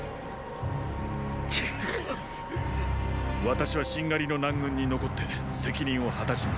私はしんがりの南軍に残って責任を果たします。